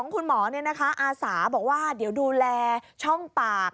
คุณหมออาสาบอกว่าเดี๋ยวดูแลช่องปาก